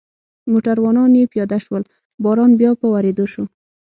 موټروانان یې پیاده شول، باران بیا په ورېدو شو.